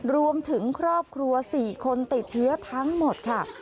รวมถึงครอบครัว๔คนติดเชื้อทั้งหมดค่ะ